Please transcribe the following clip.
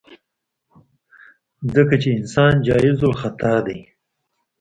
ځکه چې انسان جايزالخطا ديه.